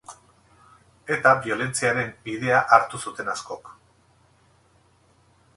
Eta biolentziaren bidea hartu zuten askok.